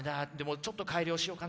ちょっと改良しようかな。